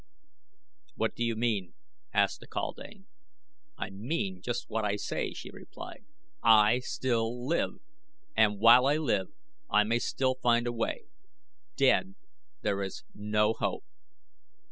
"What do you mean?" asked the kaldane. "I mean just what I say," she replied. "I still live and while I live I may still find a way. Dead, there is no hope."